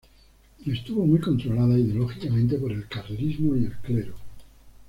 Estuvo muy controlada ideológicamente por el carlismo y el clero.